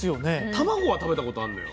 卵は食べたことあんのよ。